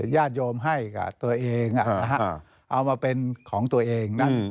ญาติโยมให้กับตัวเองเอามาเป็นของตัวเองนะ